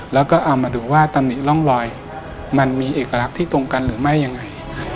แล้วก็เอามาดูว่าตำหนิร่องรอยมันมีเอกลักษณ์ที่ตรงกันหรือไม่ยังไง